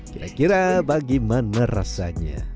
kira kira bagaimana rasanya